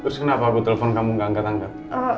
terus kenapa aku telepon kamu gak angkat angkat